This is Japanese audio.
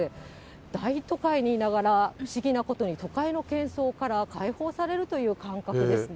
大都会にいながら、不思議なことに都会のけん騒から解放されるという感覚ですね。